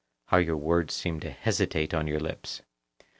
How your words seem to hesitate on your lips!